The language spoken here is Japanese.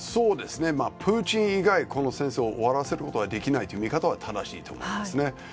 プーチン以外この戦争を終わらせることはできないという見方は正しいと思います。